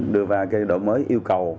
đưa vào cái đội mới yêu cầu